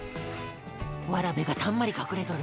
わらべがたんまり隠れとる。